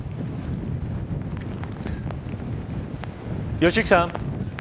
良幸さん